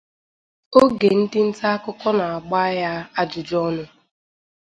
Oge ndị nta akụkọ na-agba ya ajụjụọnụ